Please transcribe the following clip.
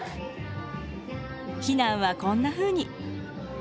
避難はこんなふうに。